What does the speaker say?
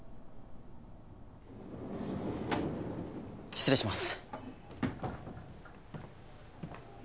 失礼します。